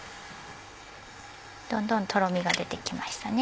どんどんとろみが出てきましたね。